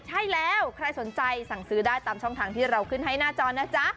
ใช่แล้วใครสนใจสั่งซื้อได้ตามช่องทางที่เราขึ้นให้หน้าจอนะจ๊ะ